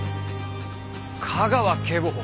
架川警部補。